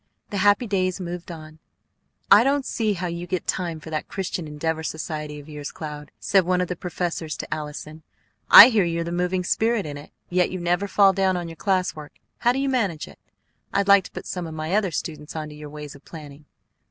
The happy days moved on. "I don't see how you get time for that Christian Endeavor Society of yours, Cloud," said one of the professors to Allison. "I hear you're the moving spirit in it; yet you never fall down on your class work. How do you manage it? I'd like to put some of my other students onto your ways of planning."